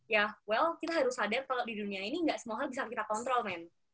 ya well kita harus sadar kalau di dunia ini gak semua hal bisa kita kontrol men